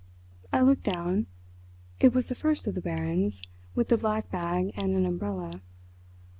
I looked down. It was the First of the Barons with the black bag and an umbrella.